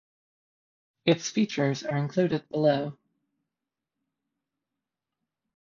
Its features are included below.